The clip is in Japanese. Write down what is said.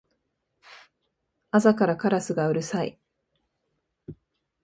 朝からカラスがうるさい